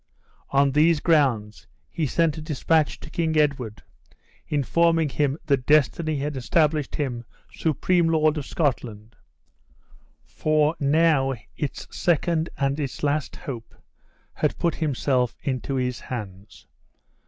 On these grounds, he sent a dispatch to King Edward, informing him that destiny had established him supreme lord of Scotland; for not its second and its last hope had put himself into his hands.